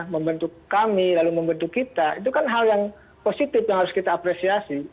membentuk kami lalu membentuk kita itu kan hal yang positif yang harus kita apresiasi